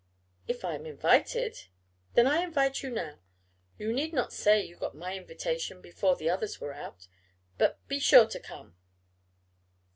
"If I am invited?" "Then I invite you now. You need not say you got my invitation before the others were out but be sure to come!"